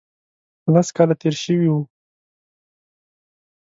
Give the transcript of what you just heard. لس کاله تېر شوي وو.